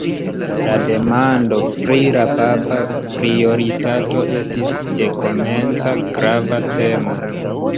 La demando pri la papa prioritato estis dekomenca grava temo.